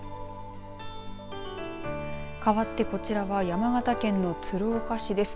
かわってこちらは山形県の鶴岡市です。